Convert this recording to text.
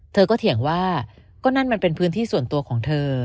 เธอก็เถียงว่าก็นั่นมันเป็นพื้นที่ส่วนตัวของเธอ